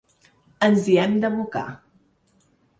Ens hi hem d’abocar.